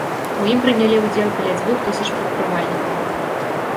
У ім прынялі ўдзел каля дзвюх тысяч прадпрымальнікаў.